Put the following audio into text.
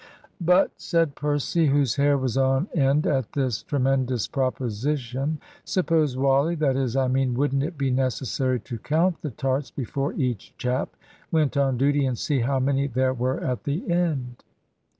"But," said Percy, whose hair was on end at this tremendous proposition, "suppose Wally that is, I mean, wouldn't it be necessary to count the tarts before each chap went on duty and see how many there were at the end?"